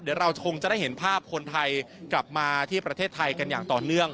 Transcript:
เดี๋ยวเราคงจะได้เห็นภาพคนไทยกลับมาที่ประเทศไทยกันอย่างต่อเนื่อง